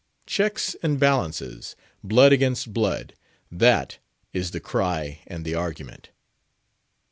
Checks and balances, blood against blood, that is the cry and the argument.